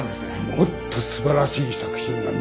もっと素晴らしい作品が見られるのか。